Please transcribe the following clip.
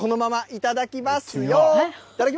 いただきます。